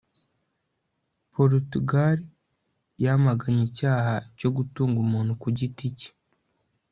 porutugali yamaganye icyaha cyo gutunga umuntu ku giti cye